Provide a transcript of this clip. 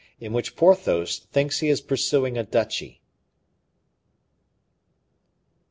In Which Porthos Thinks He Is Pursuing a Duchy.